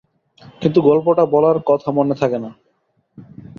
কিন্তু গল্পটা বলার কথা মনে থাকে না!